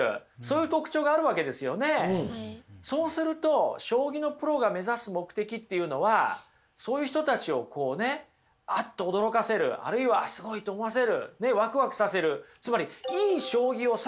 そうすると将棋のプロが目指す目的っていうのはそういう人たちをねあっと驚かせるあるいはすごいと思わせるワクワクさせる。